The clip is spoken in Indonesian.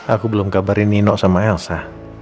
aku belum kabarin nino sama elsa